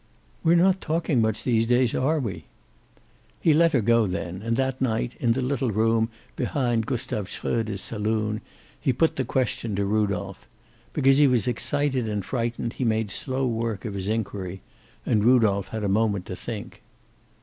"We're not talking much these days, are we?" He let her go then, and that night, in the little room behind Gustav Shroeder's saloon, he put the question to Rudolph. Because he was excited and frightened he made slow work of his inquiry, and Rudolph had a moment to think.